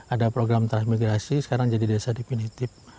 ada program transmigrasi sekarang jadi desa definitif